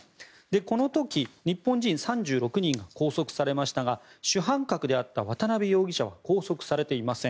この時、日本人３６人が拘束されましたが主犯格であった渡邉容疑者は拘束されていません。